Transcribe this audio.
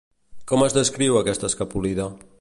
Com es descriu aquesta escapolida?